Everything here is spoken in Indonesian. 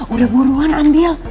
udah buruan ambil